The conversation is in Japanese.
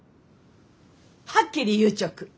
はっきり言うちょく！